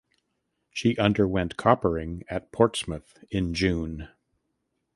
She underwent coppering at Portsmouth in June.